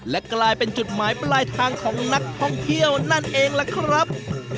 และกลายเป็นจุดหมายปลายทางของนักท่องเที่ยวนั่นเองล่ะครับ